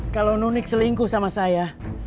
kalau nunik selingkuh sama saya